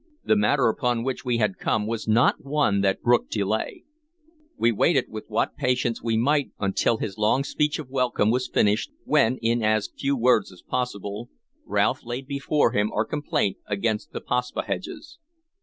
The matter upon which we had come was not one that brooked delay. We waited with what patience we might until his long speech of welcome was finished, when, in as few words as possible, Rolfe laid before him our complaint against the Paspaheghs.